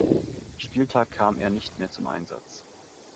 Spieltag kam er nicht mehr zum Einsatz.